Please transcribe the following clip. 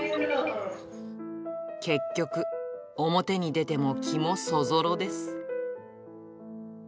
結局、表に出ても気もそぞろです。